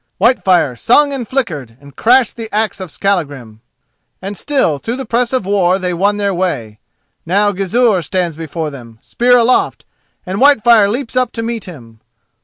Whitefire sung and flickered, and crashed the axe of Skallagrim, and still through the press of war they won their way. Now Gizur stands before them, spear aloft, and Whitefire leaps up to meet him.